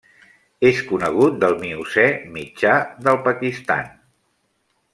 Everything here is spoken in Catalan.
És conegut del Miocè mitjà del Pakistan.